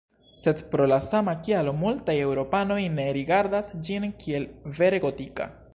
Sed pro la sama kialo, multaj eŭropanoj ne rigardas ĝin kiel vere gotika.